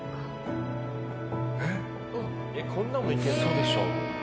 嘘でしょ。